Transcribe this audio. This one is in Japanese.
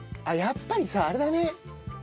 あっやっぱりさあれだね。